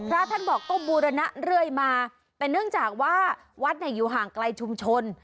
พระท่านบอกก็บูรณะเรื่อยมาแต่เนื่องจากว่าวัดเนี่ยอยู่ห่างไกลชุมชน